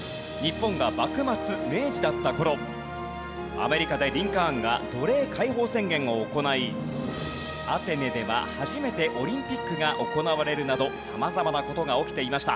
アメリカでリンカーンが奴隷解放宣言を行いアテネでは初めてオリンピックが行われるなど様々な事が起きていました。